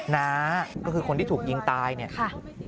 น้าก็คือคนที่ถูกยิงตายเนี่ยค่ะ